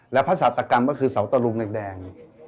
และภาษาตกรรมก็คือเสาตะลุงแดง